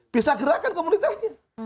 bisa gerakan komunitasnya